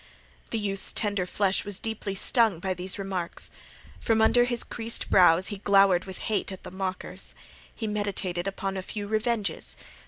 The youth's tender flesh was deeply stung by these remarks. From under his creased brows he glowered with hate at the mockers. He meditated upon a few revenges.